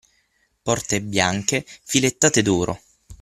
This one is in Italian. porte bianche, filettate d’oro;